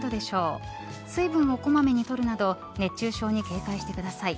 水分を小まめに取るなど熱中症に警戒してください。